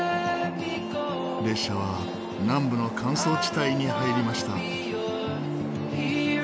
列車は南部の乾燥地帯に入りました。